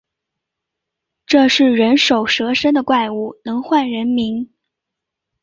这是人首蛇身的怪物，能唤人名